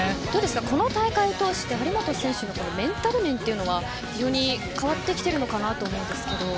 この大会を通して張本選手のメンタル面は非常に変わってきているのかなと思いますが。